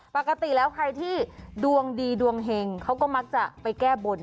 ปกติแล้วใครที่ดวงดีดวงเห็งเขาก็มักจะไปแก้บน